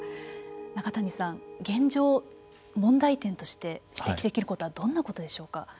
中谷さん、現状、問題点として指摘できることはどんなことでしょうか。